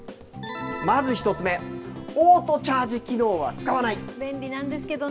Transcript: まず１つ目、オートチャージ機能便利なんですけどね。